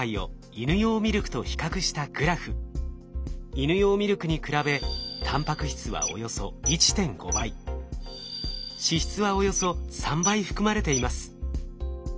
イヌ用ミルクに比べタンパク質はおよそ１．５倍脂質はおよそ３倍含まれています。